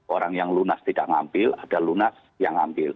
orang yang lunas tidak mengambil ada lunas yang mengambil